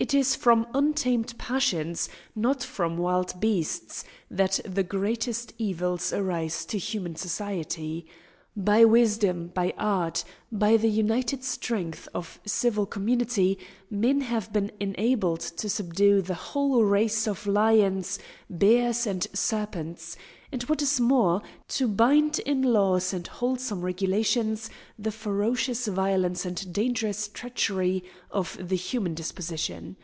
It is from untamed passions, not from wild beasts, that the greatest evils arise to human society. By wisdom, by art, by the united strength of civil community, men have been enabled to subdue the whole race of lions, bears, and serpents, and what is more, to bind in laws and wholesome regulations the ferocious violence and dangerous treachery of the human disposition.